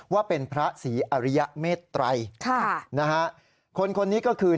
ว่าเป็นพระศรีอริยเมตรัยค่ะนะฮะคนคนนี้ก็คือ